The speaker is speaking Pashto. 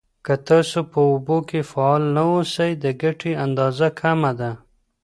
که تاسو په اوبو کې فعال نه اوسئ، د ګټې اندازه کمه ده.